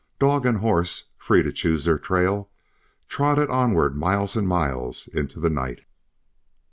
Dog and horse, free to choose their trail, trotted onward miles and miles into the night.